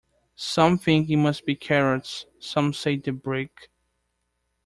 Some think it must be Carrots, some say the Brick.